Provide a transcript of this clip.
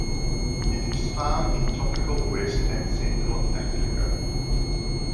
It is found in tropical West and Central Africa.